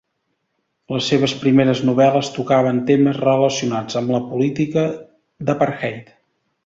Les seves primeres novel·les tocaven temes relacionats amb la política d'apartheid.